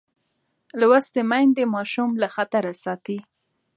لوستې میندې ماشوم له خطره ساتي.